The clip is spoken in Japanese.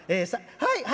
はい。